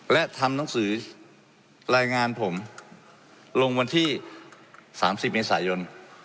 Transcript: และทำหนังสือรายงานผมลงวันที่๓๐เมษายน